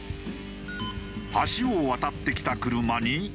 橋を渡ってきた車に。